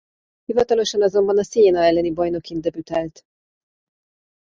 Hivatalosan azonban a Siena elleni bajnokin debütált.